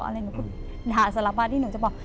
หนูก็ด่าสลับมาที่หนูจะบอก